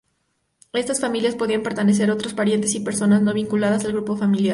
A estás familias podían pertenecer otros parientes y personas no vinculadas al grupo familia.